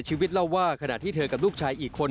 เรียวว่าขณะที่เธอกับลูกชายอีกคน